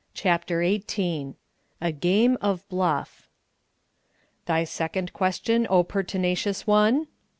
CHAPTER XVIII A GAME OF BLUFF "Thy second question, O pertinacious one?"